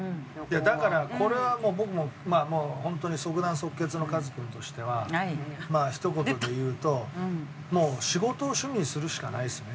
いやだからこれは僕もう本当に即断即決のカズ君としてはまあひと言で言うともう仕事を趣味にするしかないですね。